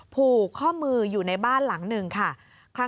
ผูกข้อมืออยู่ในบ้านหลังหนึ่งค่ะ